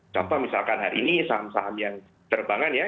contoh misalkan hari ini saham saham yang terbangannya